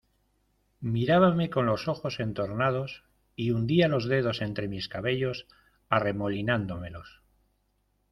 mirábame con los ojos entornados, y hundía los dedos entre mis cabellos , arremolinándomelos.